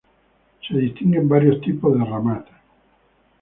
Se distinguen varios tipos de "ramat".